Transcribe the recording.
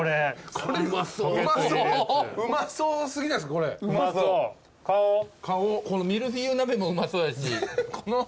このミルフィーユ鍋もうまそうやし。